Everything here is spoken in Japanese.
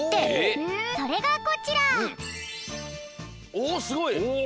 おすごい！